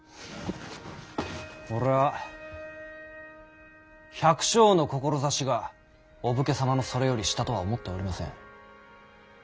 俺は百姓の志がお武家様のそれより下とは思っておりません。